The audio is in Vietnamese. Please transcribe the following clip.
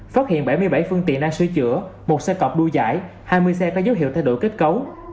phát hiện bảy mươi bảy phương tiện đang sửa chữa một xe cọp đu dải hai mươi xe có dấu hiệu thay đổi kết cấu